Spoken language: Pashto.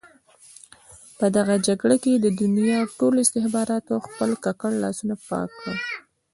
په دغه جګړه کې د دنیا ټولو استخباراتو خپل ککړ لاسونه پاک کړل.